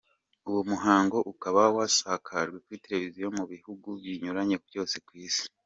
Uwo muhango ukaba wasakajwe kuri televisiyo mu bihugu binyuranye byo ku isi.